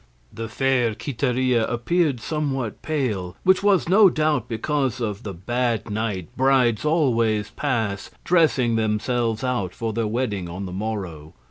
The fair Quiteria appeared somewhat pale, which was, no doubt, because of the bad night brides always pass dressing themselves out for their wedding on the morrow.